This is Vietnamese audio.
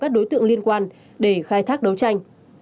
các đối tượng liên quan để khai thác đấu tranh